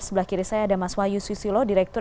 sebelah kiri saya ada mas wahyu susilo direktur